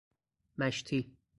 مشتی